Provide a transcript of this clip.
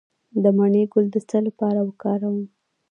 د مڼې ګل د څه لپاره وکاروم؟